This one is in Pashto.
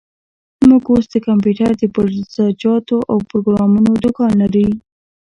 موږ اوس د کمپيوټر د پرزه جاتو او پروګرامونو دوکان لري.